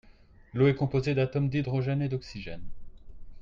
L'eau est composée d'atomes d'hydrogène et d'oxygène.